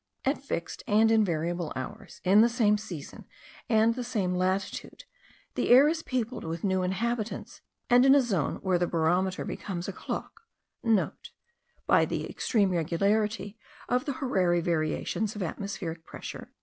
At fixed and invariable hours, in the same season, and the same latitude, the air is peopled with new inhabitants, and in a zone where the barometer becomes a clock,* (* By the extreme regularity of the horary variations of the atmospheric pressure.)